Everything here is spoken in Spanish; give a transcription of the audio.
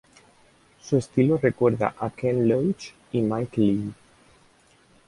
Su estilo recuerda a Ken Loach y Mike Leigh.